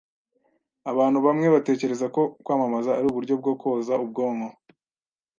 Abantu bamwe batekereza ko kwamamaza ari uburyo bwo koza ubwonko.